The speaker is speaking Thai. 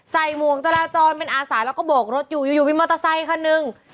หมวกจราจรเป็นอาสาแล้วก็โบกรถอยู่อยู่มีมอเตอร์ไซคันหนึ่ง